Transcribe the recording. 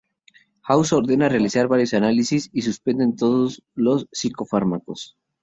House ordena realizar varios análisis y suspender todos los psicofármacos.